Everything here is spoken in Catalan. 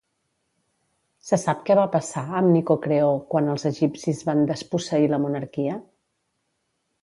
Se sap què va passar amb Nicocreó quan els egipcis van desposseir la monarquia?